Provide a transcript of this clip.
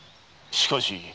しかし。